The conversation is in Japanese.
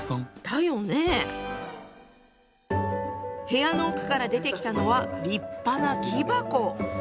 部屋の奥から出てきたのは立派な木箱。